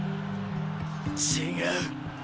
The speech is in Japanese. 違う。